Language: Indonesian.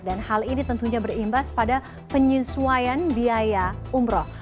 dan hal ini tentunya berimbas pada penyesuaian biaya umroh